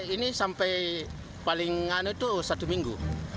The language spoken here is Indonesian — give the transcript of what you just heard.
ini sampai paling anu itu satu minggu